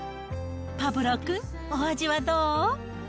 パブロ君、お味はどう？